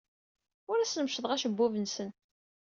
Ur asen-meccḍeɣ acebbub-nsen.